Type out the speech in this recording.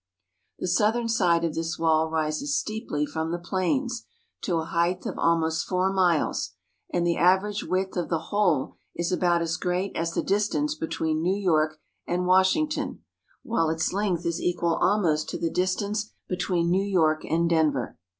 The southern side of this wall rises steeply from the plains to a height of almost four miles, and the average width of the whole is about as great as the distance between New York and Washington, while its length is equal almost to the distance between New York and Denver.